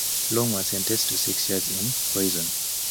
Long was sentenced to six years in prison.